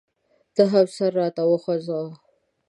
ده هم سر راته وخوځاوه.